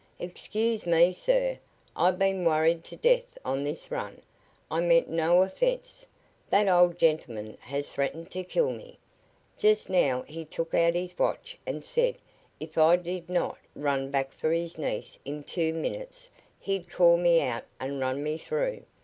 "Excuse me, sir. I've been worried to death on this run. I meant no offence. That old gentleman has threatened to kill me. Just now he took out his watch and said if I did not run back for his niece in two minutes he'd call me out and run me through.